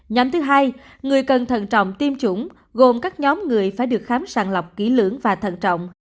nhóm hai người cần thần trọng tiêm chủng gồm các nhóm người phải được khám sàng lọc kỹ lưỡng và thần trọng